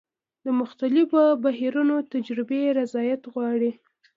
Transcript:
د مختلفو بحرونو تجربې ریاضت غواړي.